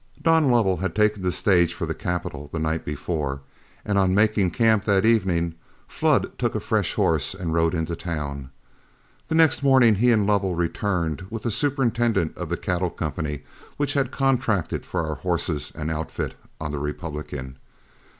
Don Lovell had taken the stage for the capital the night before; and on making camp that evening, Flood took a fresh horse and rode into town. The next morning he and Lovell returned with the superintendent of the cattle company which had contracted for our horses and outfit on the Republican.